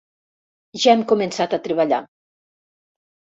Ja hem començat a treballar.